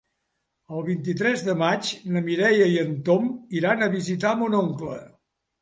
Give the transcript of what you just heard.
El vint-i-tres de maig na Mireia i en Tom iran a visitar mon oncle.